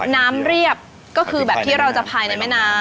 เรียบก็คือแบบที่เราจะภายในแม่น้ำ